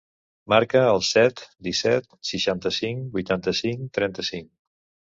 Marca el set, disset, seixanta-cinc, vuitanta-cinc, trenta-cinc.